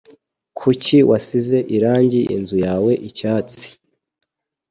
Kuki wasize irangi inzu yawe icyatsi?